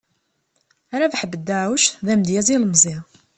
Rabaḥ Bedaɛuc, d amedyaz ilemẓi.